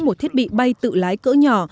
một thiết bị bay tự lái cỡ nhỏ